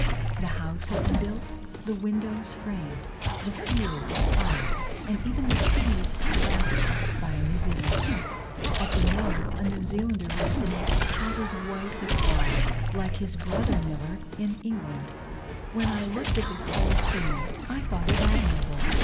The house had been built, the windows framed, the fields ploughed, and even the trees grafted, by a New Zealander. At the mill, a New Zealander was seen powdered white with flower, like his brother miller in England. When I looked at this whole scene, I thought it admirable.